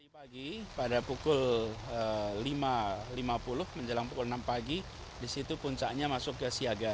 pagi pada pukul lima lima puluh menjelang pukul enam pagi di situ puncaknya masuk ke siaga